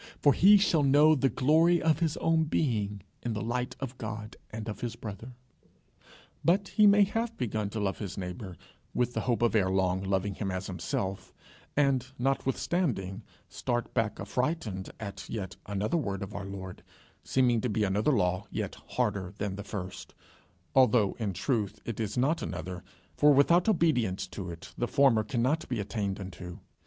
For he shall know the glory of his own being in the light of God and of his brother. But he may have begun to love his neighbour, with the hope of ere long loving him as himself, and notwithstanding start back affrighted at yet another word of our Lord, seeming to be another law yet harder than the first, although in truth it is not another, for without obedience to it the former cannot be attained unto.